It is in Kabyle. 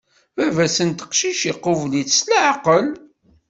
Baba-s n teqcict, iqubel-itt-id s leɛqel.